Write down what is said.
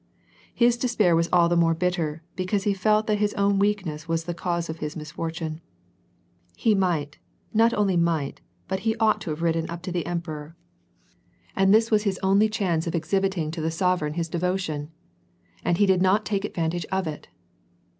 His despair was all the more bitter, because he felt that his own weakness was the cause of his misfortune. He might — not only might, but he ought to have ridden WAR AND P^ACU. 363 up to the emperor. And this was his only chance of exhibit ing to the sovereign his devotion. And he did not take advan tage of it.